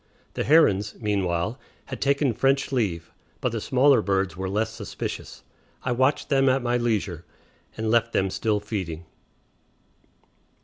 The herons, meanwhile, had taken French leave, but the smaller birds were less suspicious; I watched them at my leisure, and left them still feeding.